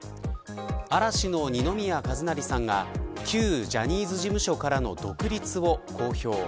嵐の二宮和也さんが旧ジャニーズ事務所からの独立を公表。